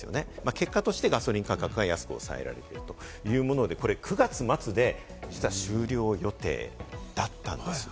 結果としてガソリン価格が安く抑えられているというもので、これ９月末で実は終了予定だったんですよ。